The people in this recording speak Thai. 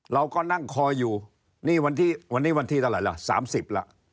เราก็นั่งคอยอยู่นี่วันที่วันนี้วันที่เท่าไหร่ล่ะ๓๐ละ